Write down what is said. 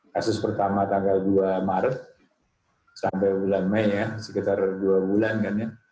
kasus pertama tanggal dua maret sampai bulan mei ya sekitar dua bulan kan ya